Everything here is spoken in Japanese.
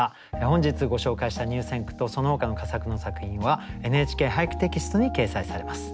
本日ご紹介した入選句とそのほかの佳作の作品は「ＮＨＫ俳句」テキストに掲載されます。